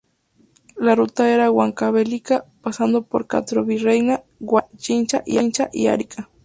La ruta era: Huancavelica -pasando por Castrovirreyna-, Huaytará, Chincha y Arica.